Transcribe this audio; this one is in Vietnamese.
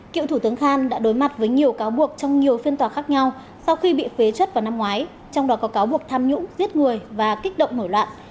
cựu thủ tướng khan đã đối mặt với nhiều cáo buộc trong nhiều phiên tòa khác nhau sau khi bị phế chất vào năm ngoái trong đó có cáo buộc tham nhũng giết người và kích động nổi loạn